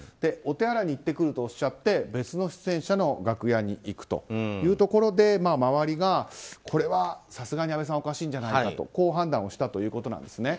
お手洗いに行ってくるとおっしゃって別の出演者の楽屋に行くというところで周りがこれはさすがに、あべさんおかしいんじゃないかと判断した。